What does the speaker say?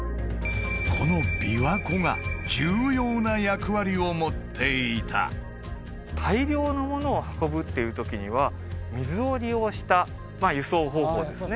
この琵琶湖が重要な役割を持っていた大量のものを運ぶっていう時には水を利用した輸送方法ですね